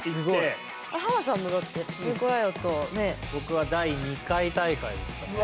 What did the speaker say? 僕は第２回大会でしたね。